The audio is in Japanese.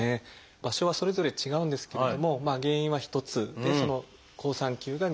場所はそれぞれ違うんですけれどもまあ原因は一つでその好酸球が原因と考えられてますね。